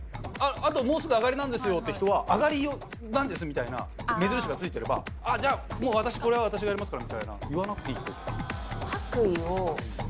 あともうすぐ上がりなんですよって人は「上がりなんです」みたいな目印がついてれば「あっじゃあもうこれは私やりますから」みたいな言わなくていいってこと？